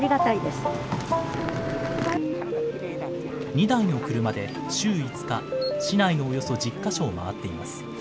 ２台の車で週５日、市内のおよそ１０か所を回っています。